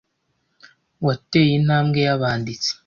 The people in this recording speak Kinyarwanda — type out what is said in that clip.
wateye intambwe y'abanditsi